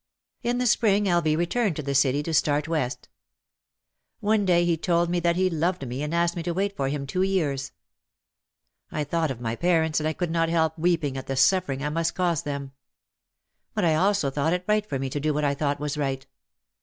In the spring L. V. returned to the city to start West. One day he told me that he loved me and asked me to wait for him two years. I thought of my parents and I could not help weeping at the suffering I must cause them. But I also thought it right for me to do what I thought was right.